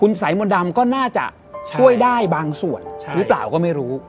สายมนต์ดำก็น่าจะช่วยได้บางส่วนหรือเปล่าก็ไม่รู้